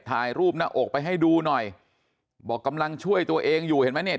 ถ่ายรูปหน้าอกไปให้ดูหน่อยบอกกำลังช่วยตัวเองอยู่เห็นไหมเนี่ย